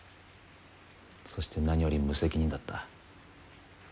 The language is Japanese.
そして何より無責任だった。